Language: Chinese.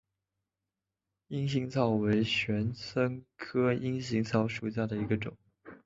阴行草为玄参科阴行草属下的一个种。